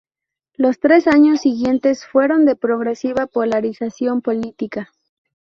Los tres años siguientes fueron de progresiva polarización política.